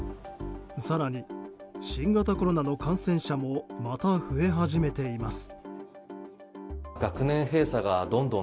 更に新型コロナの感染者もまた増え始めています。